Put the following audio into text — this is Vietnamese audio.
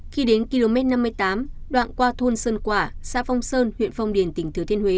khi đến km năm mươi tám đoạn qua thuộc đường